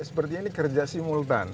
seperti ini kerja simultan